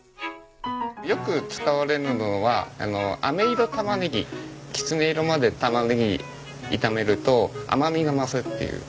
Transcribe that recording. よく使われるのはあめ色玉ねぎきつね色まで玉ねぎ炒めると甘みが増すっていう。